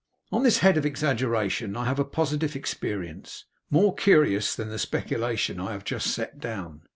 On this head of exaggeration I have a positive experience, more curious than the speculation I have just set down.